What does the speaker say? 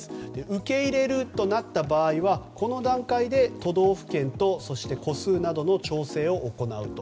受け入れるとなった場合はこの段階で都道府県と、そして個数などの調整などを行うと。